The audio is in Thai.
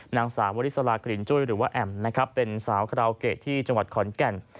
นางสาววริสรกรินจุ้ยหรือว่าแอ่มเป็นสาวคราวเกตที่จังหวัดขอร์นแก่น